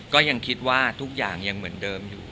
ก็ยังคิดว่าทุกอย่างยังเหมือนเดิมอยู่